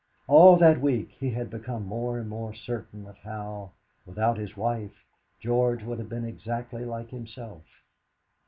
All that week he had become more and more certain of how, without his wife, George would have been exactly like himself.